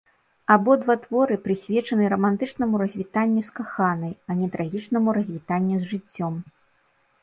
Абодва творы прысвечаны рамантычнаму развітанню з каханай, а не трагічнаму развітанню з жыццём.